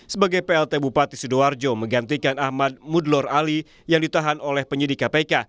sebagai plt bupati sidoarjo menggantikan ahmad mudlor ali yang ditahan oleh penyidik kpk